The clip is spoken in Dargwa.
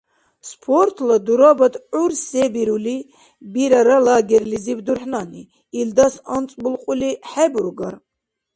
Спортла дурабад гӀур се бирули бирара лагерлизиб дурхӀнани? Илдас анцӀбулкьули хӀебургар?